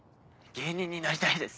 芸人になりたいです。